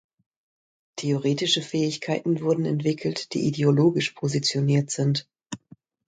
Theoretische Fähigkeiten wurden entwickelt die ideologisch positioniert sind.